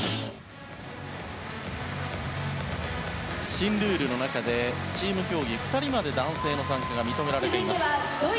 新ルールの中でチーム競技２人まで男性の参加が認められています。